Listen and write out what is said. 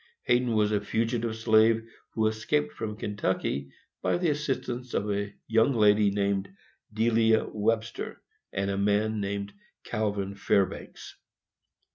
Hayden was a fugitive slave, who escaped from Kentucky by the assistance of a young lady named Delia Webster, and a man named Calvin Fairbanks.